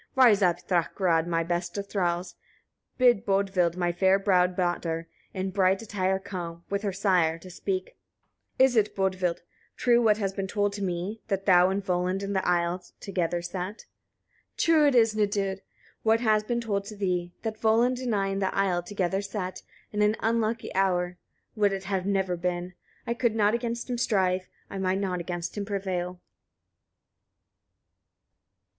37. "Rise up Thakrad, my best of thralls! bid Bodvild, my fair browed daughter, in bright attire come, with her sire to speak. 38. Is it, Bodvild! true what has been told to me, that thou and Volund in the isle together sat?" 39. "True it is, Nidud! what has been told to thee, that Volund and I in the isle together sat, in an unlucky hour: would it had never been! I could not against him strive, I might not against him prevail."